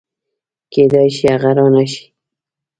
کېدای شي هغه رانشي